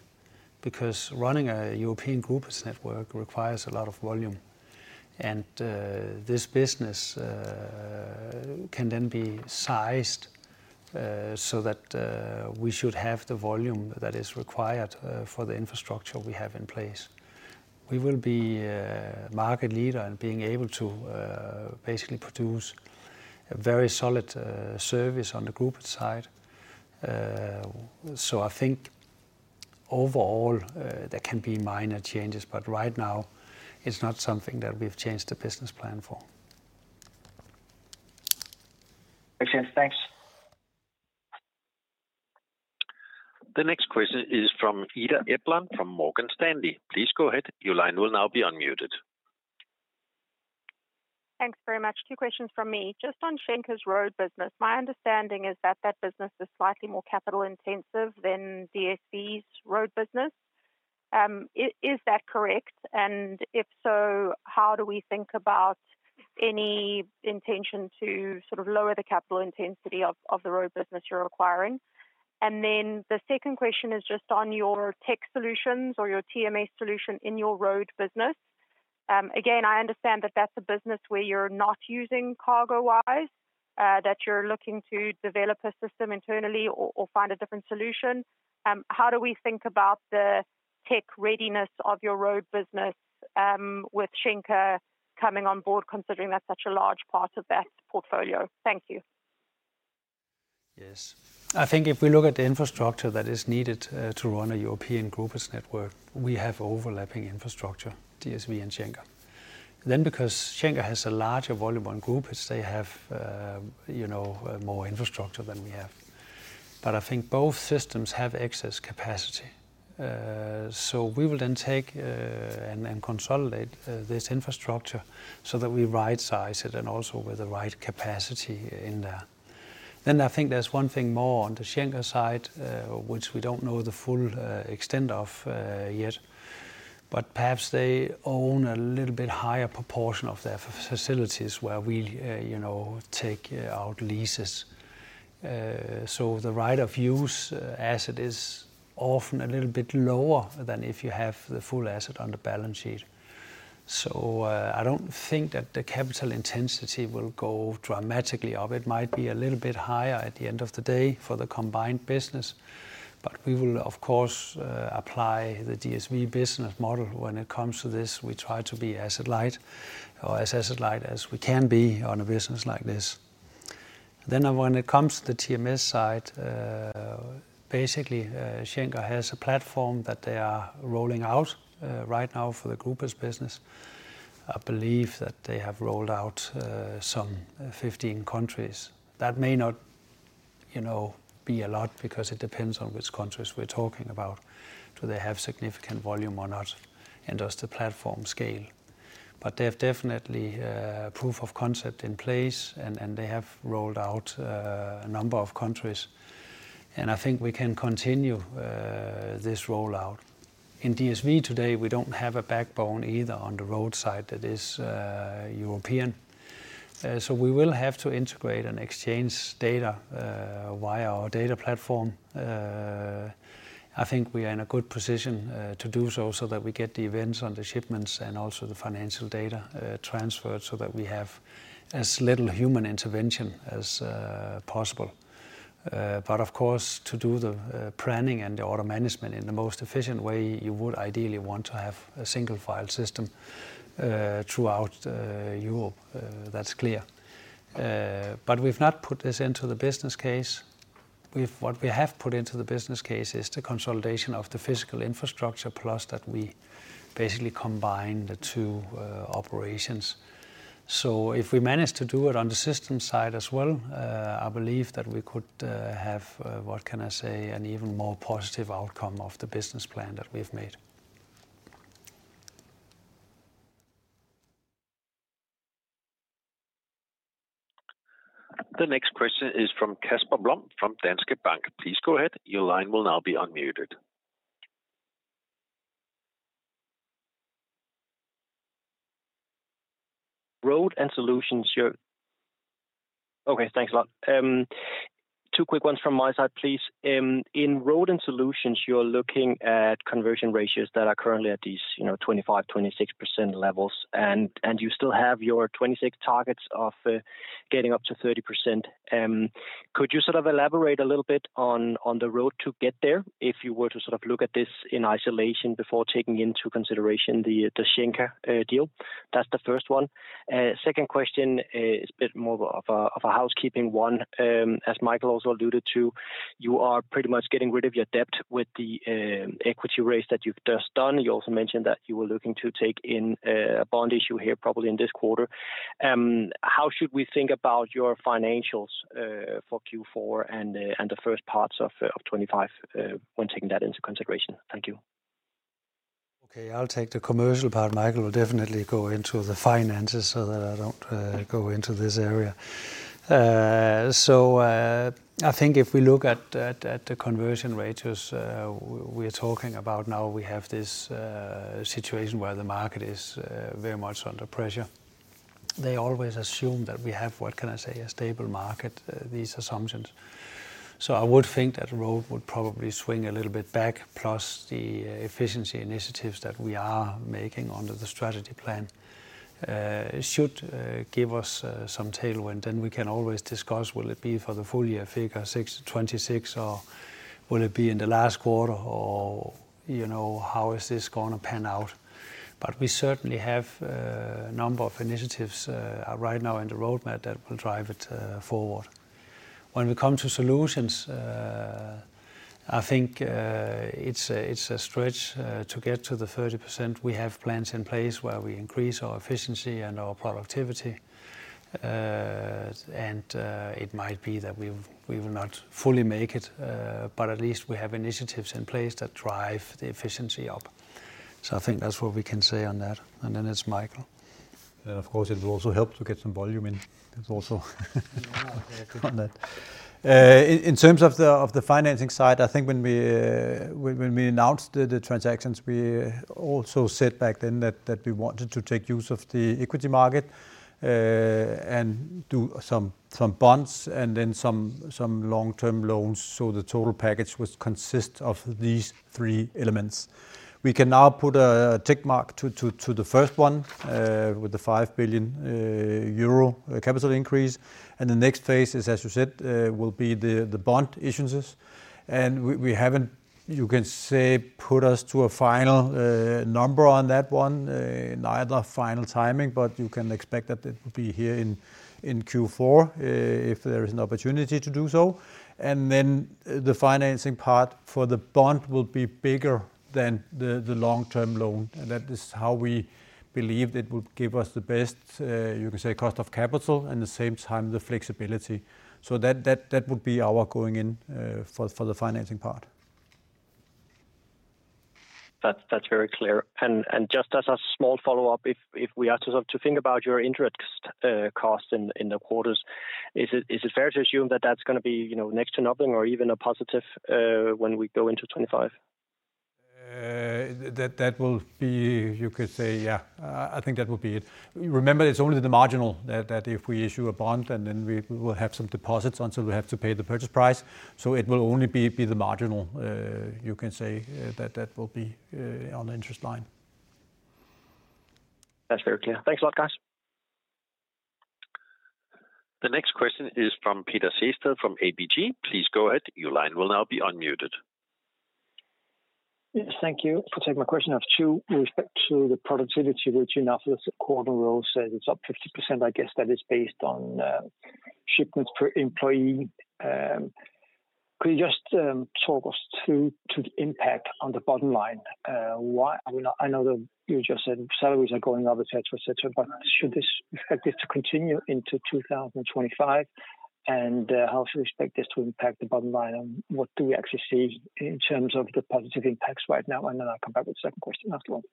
Because running a European group network requires a lot of volume, and this business can then be sized so that we should have the volume that is required for the infrastructure we have in place. We will be market leader and being able to basically produce a very solid service on the group side. So I think overall, there can be minor changes, but right now it's not something that we've changed the business plan for. Thanks, Jens. Thanks. The next question is from Cedar Ekblom from Morgan Stanley. Please go ahead. Your line will now be unmuted. Thanks very much. Two questions from me. Just on Schenker's Road business, my understanding is that that business is slightly more capital intensive than DSV's Road business. Is that correct? And if so, how do we think about any intention to sort of lower the capital intensity of the Road business you're acquiring? And then the second question is just on your tech Solutions or your TMS solution in your Road business. Again, I understand that that's a business where you're not using CargoWise, that you're looking to develop a system internally or find a different solution. How do we think about the tech readiness of your Road business with Schenker coming on board, considering that's such a large part of that portfolio? Thank you. Yes. I think if we look at the infrastructure that is needed, to run a European groupage network, we have overlapping infrastructure, DSV and Schenker, then because Schenker has a larger volume on groupage, they have, you know, more infrastructure than we have. But I think both systems have excess capacity, so we will then take and consolidate this infrastructure so that we rightsize it and also with the right capacity in there, then I think there's one thing more on the Schenker side, which we don't know the full extent of yet, but perhaps they own a little bit higher proportion of their facilities where we, you know, take out leases, so the right-of-use asset is often a little bit lower than if you have the full asset on the balance sheet. So, I don't think that the capital intensity will go dramatically up. It might be a little bit higher at the end of the day for the combined business, but we will, of course, apply the DSV business model when it comes to this. We try to be asset light or as asset light as we can be on a business like this. Then when it comes to the TMS side, basically, Schenker has a platform that they are rolling out right now for the groupage business. I believe that they have rolled out some 15 countries. That may not, you know, be a lot because it depends on which countries we're talking about. Do they have significant volume or not, and does the platform scale? But they have definitely proof of concept in place, and they have rolled out a number of countries, and I think we can continue this rollout. In DSV today, we don't have a backbone either on the Road side that is European. So we will have to integrate and exchange data via our data platform. I think we are in a good position to do so, so that we get the events on the shipments and also the financial data transferred, so that we have as little human intervention as possible. But of course, to do the planning and the order management in the most efficient way, you would ideally want to have a single file system throughout Europe. That's clear. But we've not put this into the business case. What we have put into the business case is the consolidation of the physical infrastructure, plus that we basically combine the two, operations. So if we manage to do it on the system side as well, I believe that we could have what can I say, an even more positive outcome of the business plan that we've made. The next question is from Casper Blom, from Danske Bank. Please go ahead. Your line will now be unmuted. Road and Solutions, you're okay, thanks a lot. Two quick ones from my side, please. In Road and Solutions, you're looking at conversion ratios that are currently at these, you know, 25%-26% levels, and you still have your 26% targets of getting up to 30%. Could you sort of elaborate a little bit on the Road to get there, if you were to sort of look at this in isolation before taking into consideration the Schenker deal? That's the first one. Second question is a bit more of a housekeeping one. As Michael also alluded to, you are pretty much getting rid of your debt with the equity raise that you've just done. You also mentioned that you were looking to take in a bond issue here, probably in this quarter. How should we think about your financials for Q4 and the first parts of 2025? Thank you. Okay, I'll take the commercial part. Michael will definitely go into the finances so that I don't go into this area. So I think if we look at the conversion rates we are talking about now, we have this situation where the market is very much under pressure. They always assume that we have, what can I say, a stable market, these assumptions. So I would think that Road would probably swing a little bit back, plus the efficiency initiatives that we are making under the strategy plan should give us some tailwind, and we can always discuss, will it be for the full year figure 2026, or will it be in the last quarter, or you know, how is this gonna pan out? But we certainly have a number of initiatives right now in the Roadmap that will drive it forward. When we come to Solutions, I think it's a stretch to get to the 30%. We have plans in place where we increase our efficiency and our productivity, and it might be that we will not fully make it, but at least we have initiatives in place that drive the efficiency up. So I think that's what we can say on that, and then it's Michael. And of course, it will also help to get some volume in. There's also on that. in terms of the, of the financing side, I think when we announced the transactions, we also said back then that we wanted to take use of the equity market, and do some bonds and then some long-term loans, so the total package would consist of these three elements. We can now put a tick mark to the first one, with the 5 billion euro capital increase. And the next phase is, as you said, will be the bond issuances. And we haven't, you can say, put us to a final number on that one, neither final timing, but you can expect that it will be here in Q4, if there is an opportunity to do so. And then the financing part for the bond will be bigger than the long-term loan, and that is how we believe it will give us the best, you can say, cost of capital, at the same time, the flexibility. So that would be our going in, for the financing part. That's very clear. And just as a small follow-up, if we ask ourselves to think about your interest cost in the quarters, is it fair to assume that that's gonna be, you know, next to nothing or even a positive when we go into 2025? That will be, you could say, yeah, I think that will be it. Remember, it's only the marginal that if we issue a bond and then we will have some deposits until we have to pay the purchase price. So it will only be the marginal, you can say, that will be on the interest line. That's very clear. Thanks a lot, guys. The next question is from Peter Sehested from ABG. Please go ahead. Your line will now be unmuted. Yes, thank you for taking my question. I have two with respect to the productivity, which in the quarterly report says it's up 50%. I guess that is based on shipments per employee. Could you just talk us through to the impact on the bottom line? I mean, I know that you just said salaries are going up, et cetera, et cetera, but should this expected to continue into 2025? And how do you expect this to impact the bottom line, and what do we actually see in terms of the positive impacts right now? And then I'll come back with the second question after all.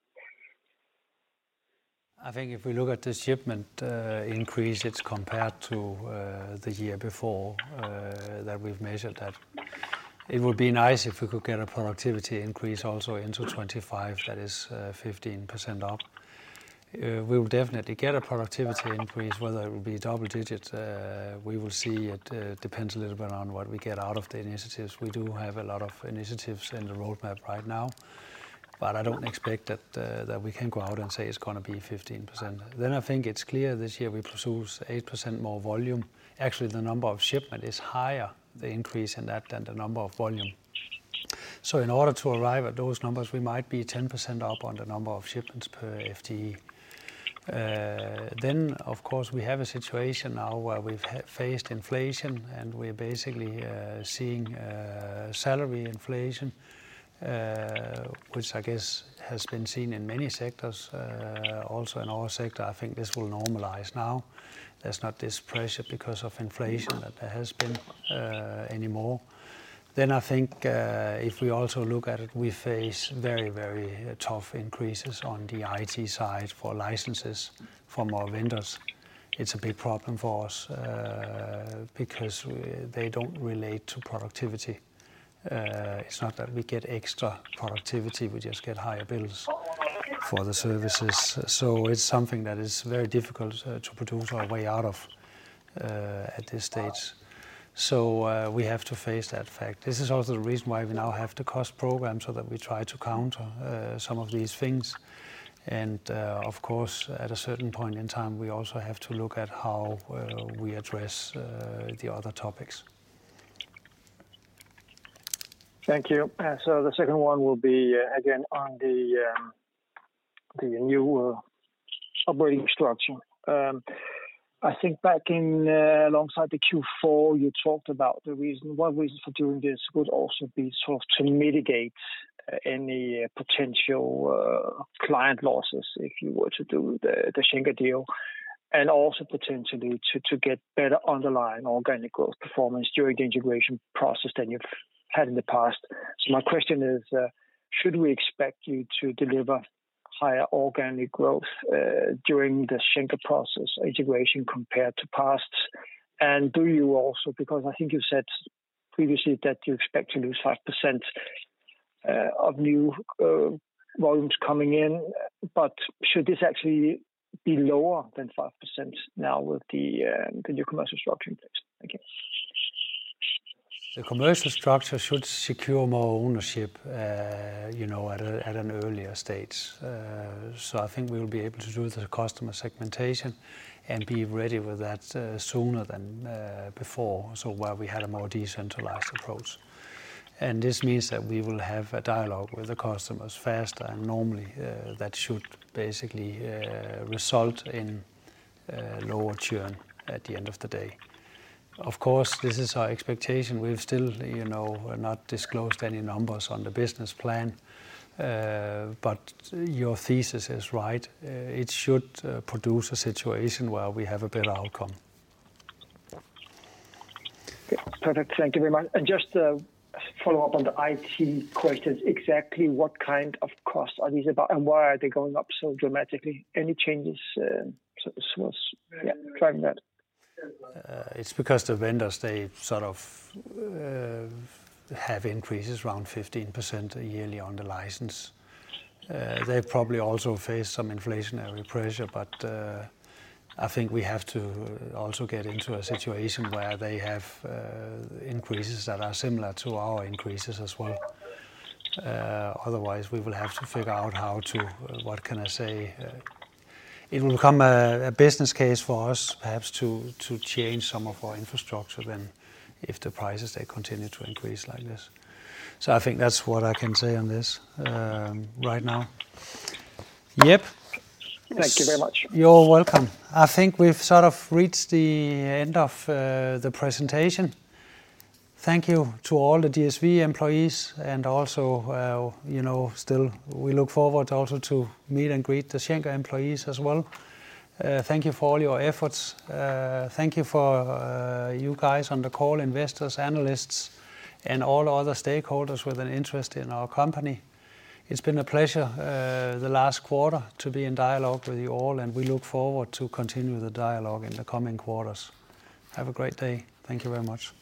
I think if we look at the shipment increase, it's compared to the year before that we've measured that. It would be nice if we could get a productivity increase also into 2025, that is, 15% up. We will definitely get a productivity increase, whether it will be double digits, we will see. It depends a little bit on what we get out of the initiatives. We do have a lot of initiatives in the Roadmap right now, but I don't expect that we can go out and say it's gonna be 15%. Then I think it's clear this year we produce 8% more volume. Actually, the number of shipment is higher, the increase in that, than the number of volume. So in order to arrive at those numbers, we might be 10% up on the number of shipments per FTE. Then, of course, we have a situation now where we've faced inflation, and we're basically seeing salary inflation, which I guess has been seen in many sectors, also in our sector. I think this will normalize now. There's not this pressure because of inflation that there has been anymore. Then I think, if we also look at it, we face very, very tough increases on the IT side for licenses from our vendors. It's a big problem for us because they don't relate to productivity. It's not that we get extra productivity, we just get higher bills for the services. So it's something that is very difficult to produce our way out of at this stage. So, we have to face that fact. This is also the reason why we now have the cost program, so that we try to counter some of these things. And, of course, at a certain point in time, we also have to look at how we address the other topics. Thank you. So the second one will be again on the new operating structure. I think back in alongside the Q4, you talked about the reason, one reason for doing this would also be sort of to mitigate any potential client losses, if you were to do the Schenker deal, and also potentially to get better underlying organic growth performance during the integration process than you've had in the past. So my question is, should we expect you to deliver higher organic growth during the Schenker process integration compared to past? And do you also, because I think you said previously that you expect to lose 5% of new volumes coming in, but should this actually be lower than 5% now with the new commercial structure in place? Thank you. The commercial structure should secure more ownership, you know, at an earlier stage, so I think we will be able to do the customer segmentation and be ready with that sooner than before, so where we had a more decentralized approach, and this means that we will have a dialogue with the customers faster, and normally, that should basically result in lower churn at the end of the day. Of course, this is our expectation. We've still, you know, not disclosed any numbers on the business plan, but your thesis is right. It should produce a situation where we have a better outcome. Yeah. Perfect. Thank you very much. And just a follow-up on the IT question, exactly what kind of costs are these about, and why are they going up so dramatically? Any changes or sources, yeah, driving that? It's because the vendors, they sort of have increases around 15% yearly on the license. They probably also face some inflationary pressure, but I think we have to also get into a situation where they have increases that are similar to our increases as well. Otherwise, we will have to figure out how to... What can I say? It will become a business case for us perhaps to change some of our infrastructure then, if the prices, they continue to increase like this. So I think that's what I can say on this, right now. Yep. Thank you very much. You're welcome. I think we've sort of reached the end of the presentation. Thank you to all the DSV employees and also, you know, still we look forward also to meet and greet the Schenker employees as well. Thank you for all your efforts. Thank you for you guys on the call, investors, analysts, and all other stakeholders with an interest in our company. It's been a pleasure the last quarter to be in dialogue with you all, and we look forward to continue the dialogue in the coming quarters. Have a great day. Thank you very much.